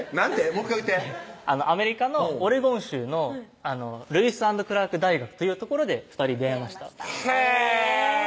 もう１回言ってアメリカのオレゴン州のルイス＆クラーク大学という所で２人出会いましたへぇ！